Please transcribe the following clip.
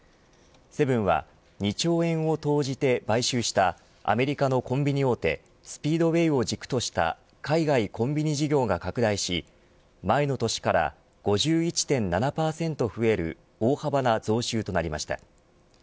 セブンは２兆円を投じて買収したアメリカのコンビニ大手スピードウェイを軸とした海外コンビニ事業が拡大し前の年から５１．７％増える大幅な増収となりました。